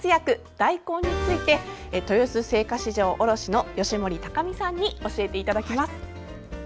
大根について豊洲青果市場卸の吉守隆美さんに教えていただきます。